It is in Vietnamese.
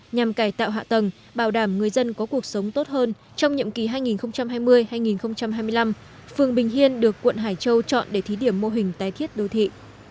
nhằm cải tạo hạ tầng bảo đảm người dân có cuộc sống tốt hơn trong nhiệm kỳ hai nghìn hai mươi hai nghìn hai mươi năm phường bình hiên được quận hải châu chọn để thí điểm mô hình tái thiết đô thị